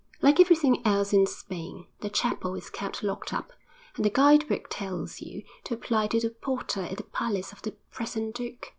Like everything else in Spain, the chapel is kept locked up, and the guide book tells you to apply to the porter at the palace of the present duke.